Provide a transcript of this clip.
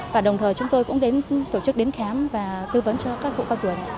và đồng thời chúng tôi cũng đến tổ chức đến khám và tư vấn cho các cụ cao tuổi